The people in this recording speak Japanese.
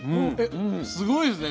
すごいですね。